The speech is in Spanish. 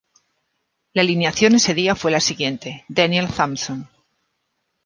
La alineación ese día fue la siguiente: Daniel Thompson.